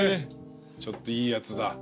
ちょっといいやつだ。